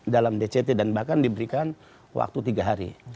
dalam dct dan bahkan diberikan waktu tiga hari